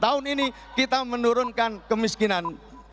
tahun ini kita menurunkan kemiskinan